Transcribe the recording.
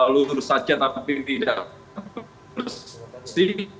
lulus saja tapi tidak